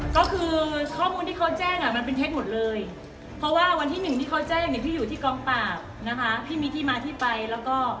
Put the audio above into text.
ก็คือข้อมูลที่เขาแจ้งอ่ะมันเป็นเท็จหมดเลยเพราะว่าวันที่หนึ่งที่เขาแจ้งเนี่ยพี่อยู่ที่กองปราบนะคะพี่มีที่มาที่ไปแล้วก็